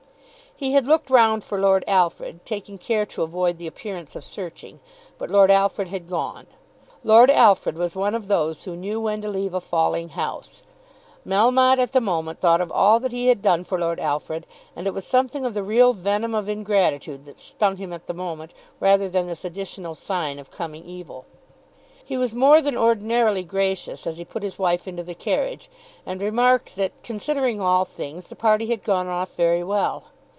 He had looked round for Lord Alfred, taking care to avoid the appearance of searching; but Lord Alfred had gone. Lord Alfred was one of those who knew when to leave a falling house. Melmotte at the moment thought of all that he had done for Lord Alfred, and it was something of the real venom of ingratitude that stung him at the moment rather than this additional sign of coming evil. He was more than ordinarily gracious as he put his wife into the carriage, and remarked that, considering all things, the party had gone off very well.